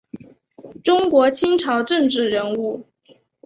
中国清朝政治人物。